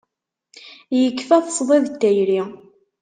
Yekfa-t ṣṣdid n tayri.